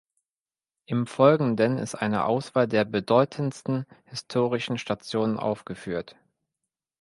Im Folgenden ist eine Auswahl der bedeutendsten historischen Stationen aufgeführt.